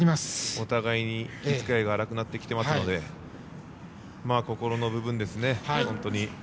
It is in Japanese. お互いに息遣いが荒くなってきていますので心の部分ですね。